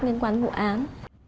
liên quan vụ án